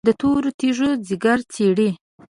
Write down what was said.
د تورو تیږو ځیګر څیري،